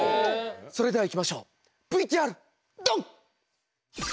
それではいきましょうＶＴＲドン！